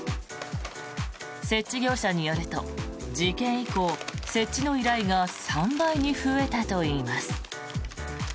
設置業者によると事件以降、設置の依頼が３倍に増えたといいます。